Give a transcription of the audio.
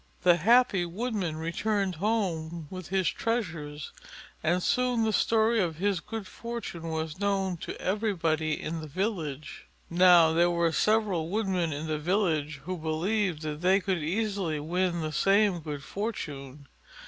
The happy Woodman returned to his home with his treasures, and soon the story of his good fortune was known to everybody in the village. Now there were several Woodmen in the village who believed that they could easily win the same good fortune.